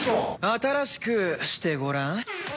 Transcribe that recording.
新しくしてごらん。